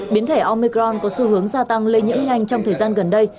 biến thể omecron có xu hướng gia tăng lây nhiễm nhanh trong thời gian gần đây